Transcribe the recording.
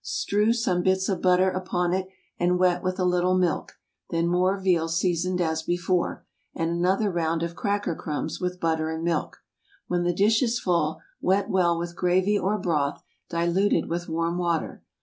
Strew some bits of butter upon it and wet with a little milk; then more veal seasoned as before, and another round of cracker crumbs, with butter and milk. When the dish is full, wet well with gravy or broth, diluted with warm water.